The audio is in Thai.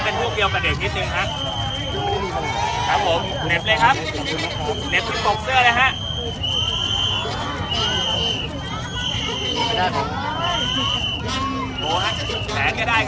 เพราะสิ่งที่น้องพูดมาก็เป็นเรื่องมันเป็นเรื่องที่สำคัญ